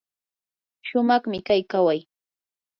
shumaqmi kay kaway.